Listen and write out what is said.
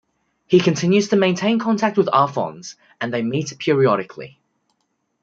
He continues to maintain contact with Arfons and they meet periodically.